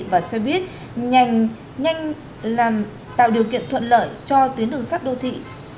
và xe buýt nhanh tạo điều kiện thuận lợi cho tuyến đường sắt đô thị